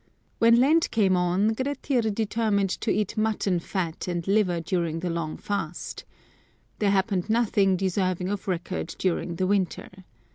When Lent came on, Grettir determined to eat mutton fat and liver during the Jong fast. There happened nothing deserving of record during the winter.